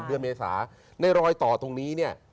เดือนเมษาในรอยต่อตรงนี้เนี่ย